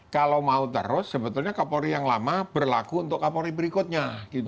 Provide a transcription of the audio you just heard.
kalau mau terus sebetulnya kapolri yang lama berlaku untuk kapolri berikutnya